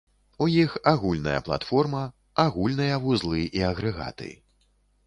У іх агульная платформа, агульныя вузлы і агрэгаты.